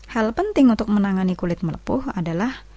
hal penting untuk menangani kulit melepuh adalah